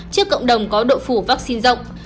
trước cộng đồng có độ phủ vaccine rộng